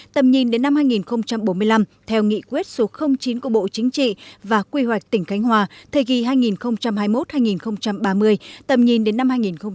tầm nhìn đến năm hai nghìn bốn mươi năm theo nghị quyết số chín của bộ chính trị và quy hoạch tỉnh cánh hòa thời kỳ hai nghìn hai mươi một hai nghìn ba mươi tầm nhìn đến năm hai nghìn năm mươi